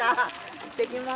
いってきます。